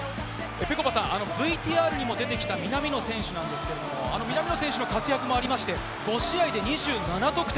ぺこぱさん、ＶＴＲにも出てきた南野選手なんですけれども、その活躍もありまして、５試合で２７得点。